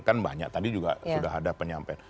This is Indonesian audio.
kan banyak tadi juga sudah ada penyampaian